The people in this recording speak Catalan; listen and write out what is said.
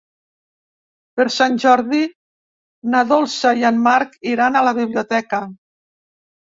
Per Sant Jordi na Dolça i en Marc iran a la biblioteca.